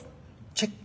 チェック？